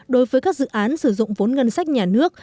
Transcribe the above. đối với các dự án sử dụng vốn ngân sách nhà nước